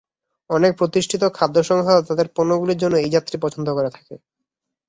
অনেক প্রতিষ্ঠিত খাদ্য সংস্থা তাদের পণ্যগুলির জন্য এই জাতটি পছন্দ করে থাকে।